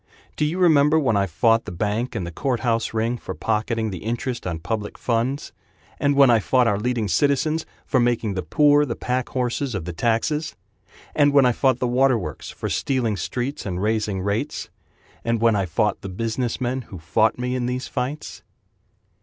Do you remember when I fought The bank and the courthouse ring, For pocketing the interest on public funds? And when I fought our leading citizens For making the poor the pack horses of the taxes? And when I fought the water works For stealing streets and raising rates? And when I fought the business men Who fought me in these fights?